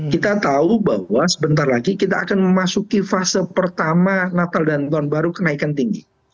kita tahu bahwa sebentar lagi kita akan memasuki fase pertama natal dan tahun baru kenaikan tinggi